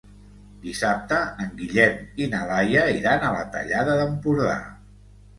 Dissabte en Guillem i na Laia iran a la Tallada d'Empordà.